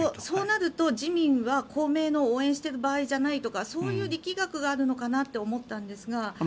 そうなると自民は公明の応援している場合じゃないとかそういう力学があるのかなと思ったんですが。